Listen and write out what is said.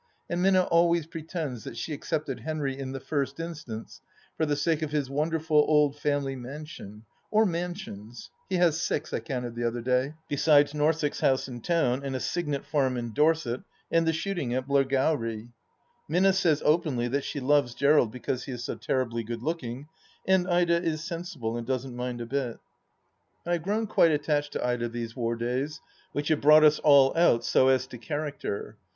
And Minna always pretends that she accepted Henry, in the first instance, for the sake of his wonderful old family mansion — or mansions. He has six, I counted the other day, besides Norssex House in town and a cygnet farm in Dorset and the shooting at Blairgowrie. Minna says openly that she loves Gerald be cause he is so terribly good looking, and Ida is sensible and doesn't mind a bit. 150 THE LAST DITCH I have grown quite attached to Ida these war days, which have brought us all out so as to character.